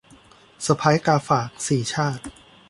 สะใภ้กาฝาก - สีชาติ